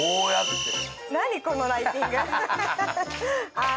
ああ